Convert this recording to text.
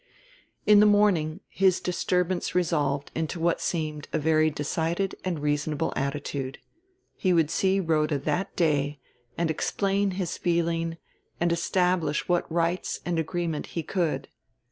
In the morning his disturbance resolved into what seemed a very decided and reasonable attitude: He would see Rhoda that day and explain his feeling and establish what rights and agreement he could.